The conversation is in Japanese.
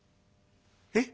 「え？」。